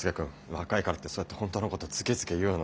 若いからってそうやって本当のことをズケズケ言うの。